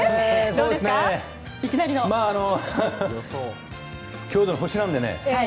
まあ、郷土の星なんでね。